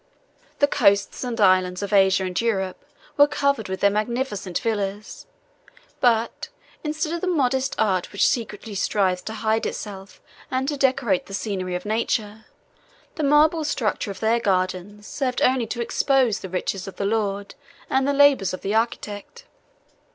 The coasts and islands of Asia and Europe were covered with their magnificent villas; but, instead of the modest art which secretly strives to hide itself and to decorate the scenery of nature, the marble structure of their gardens served only to expose the riches of the lord, and the labors of the architect.